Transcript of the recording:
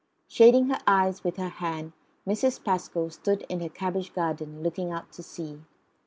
Shading her eyes with her hand Mrs. Pascoe stood in her cabbage garden looking out to sea.